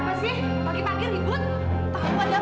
mas prabu luka parah